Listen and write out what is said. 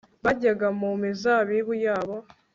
bajya mu mizabibu yabo